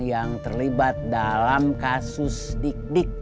yang terlibat dalam kasus dik dik